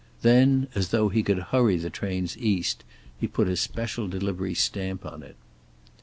Then, as though he could hurry the trains East, he put a special delivery stamp on it.